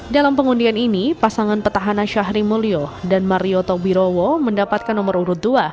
dalam pengundian ini pasangan petahana syahri mulyo dan marioto wirowo mendapatkan nomor urut dua